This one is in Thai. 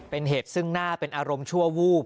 เป็นเหตุซึ่งหน้าเป็นอารมณ์ชั่ววูบ